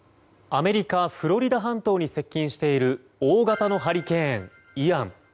アメリカ・フロリダ半島に接近している大型のハリケーンイアン。